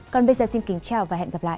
còn bây giờ xin kính chào và hẹn gặp lại